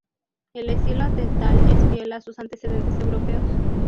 El estilo de Tal es fiel a sus antecedentes europeos.